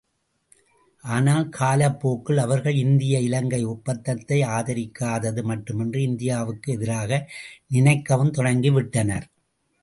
ஆனால், காலப் போக்கில் அவர்கள் இந்திய இலங்கை ஒப்பந்தத்தை ஆதரிக்காதது மட்டுமன்றி, இந்தியாவுக்கு எதிராக நினைக்கவும் தொடங்கிவிட்டனர்.